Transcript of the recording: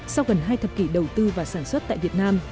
sau gần hai thập kỷ đầu tư và sản xuất tại việt nam